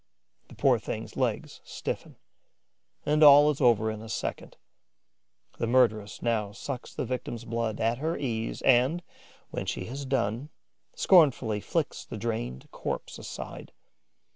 The poor thing's legs stiffen; and all is over in a second. The murderess now sucks the victim's blood at her ease and, when she has done, scornfully flings the drained corpse aside.